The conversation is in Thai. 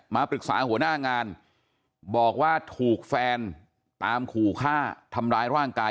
มาปรึกษาหัวหน้างานบอกว่าถูกแฟนตามขู่ฆ่าทำร้ายร่างกาย